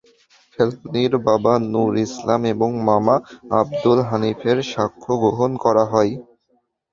ফেলানীর বাবা নুর ইসলাম এবং মামা আবদুল হানিফের সাক্ষ্য গ্রহণ করা হয়।